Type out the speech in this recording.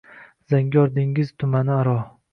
Zangor dengiz tumani aro!..